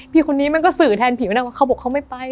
พี่คนนี้มันก็สื่อแทนผีไม่ได้ว่าเขาบอกเขาไม่ไป